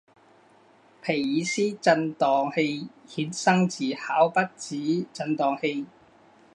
皮尔斯震荡器衍生自考毕子振荡器。